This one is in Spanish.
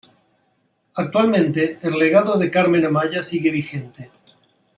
Actualmente, el legado de Carmen Amaya sigue vigente.